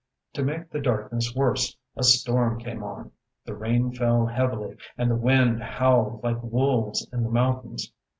To make the darkness worse a storm came on, the rain fell heavily and the wind howled like wolves in the mountains.